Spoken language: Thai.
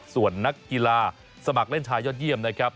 ส่วนนักกีฬาสมัครเล่นชายยอดเยี่ยมนะครับ